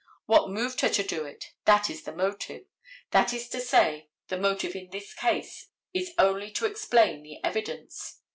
What moved her to do it, that is the motive, that is to say the motive in this case, is only to explain the evidence.